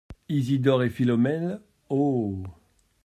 Isidore et Philomèle. — Oh !